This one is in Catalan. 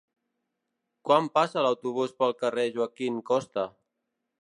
Quan passa l'autobús pel carrer Joaquín Costa?